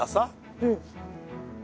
うん。